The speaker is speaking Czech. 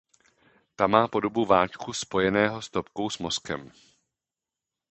Ta má podobu váčku spojeného stopkou s mozkem.